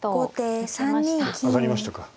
上がりましたか。